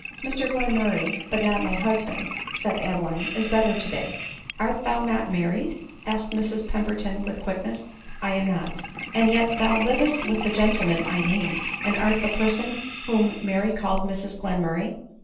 •" Mr Glenmurray, but not my husband," said Adeline, "is better to 'day." rt Art thou not married ?" asked Mrs Pemberton with quickness. ," I am not," " And yet thou livest with the gentleman i named, and art die person whom Mary called Mrs Glen murray